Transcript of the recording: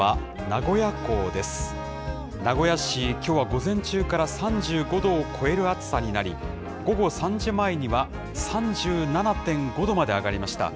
名古屋市、きょうは午前中から３５度を超える暑さになり、午後３時前には、３７．５度まで上がりました。